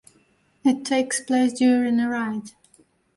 It takes place during a riot.